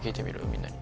みんなに。